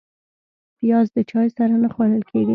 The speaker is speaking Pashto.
پیاز د چای سره نه خوړل کېږي